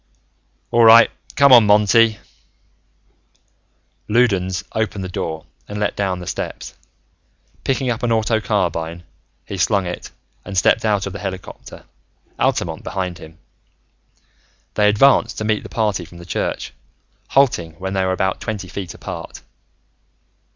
"All right, come on, Monty." Loudons opened the door and let down the steps. Picking up an auto carbine, he slung it and stepped out of the helicopter, Altamont behind him. They advanced to meet the party from the church, halting when they were about twenty feet apart.